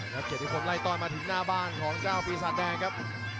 เกียรติพลไล่ต้อยมาถึงหน้าบ้านของเจ้าปีศาจแดงครับ